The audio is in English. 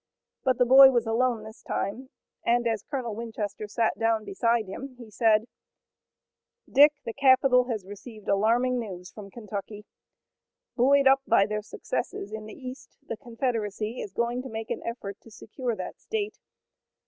But the boy was alone this time, and as Colonel Winchester sat down beside him he said: "Dick, the capital has received alarming news from Kentucky. Buoyed up by their successes in the east the Confederacy is going to make an effort to secure that state.